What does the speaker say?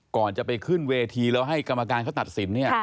ก่อนจะไปขึ้นเวทีแล้วให้กรรมการเขาตัดสินเนี่ย